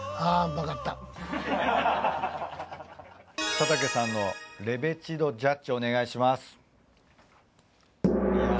佐竹さんのレベチ度ジャッジお願いします。